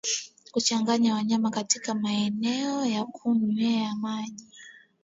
Kuchanganya wanyama katika maeneo ya kunywea maji